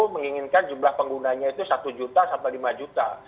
menginginkan jumlah penggunanya itu satu juta sampai lima juta